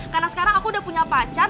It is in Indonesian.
karena sekarang aku udah punya pacar